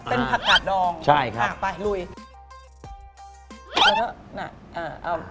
เป็นผักกาดดองไปลุยครับใช่ครับ